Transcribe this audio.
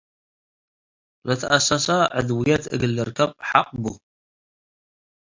ልትአሰሰ ዕድውየት እግል ልርከብ ሐቅ ቡ።